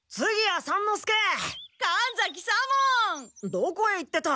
どこへ行ってた？